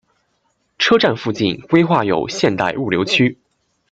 车站附近规划有现代物流区。